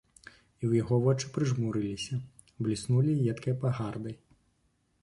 І ў яго вочы прыжмурыліся, бліснулі едкай пагардай.